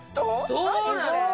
そうなんだよ